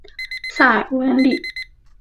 塞尔维利。